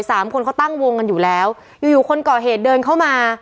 สามคนเขาตั้งวงกันอยู่แล้วอยู่อยู่คนก่อเหตุเดินเข้ามา